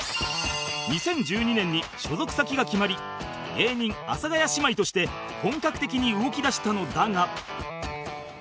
２０１２年に所属先が決まり芸人阿佐ヶ谷姉妹として本格的に動き出したのだが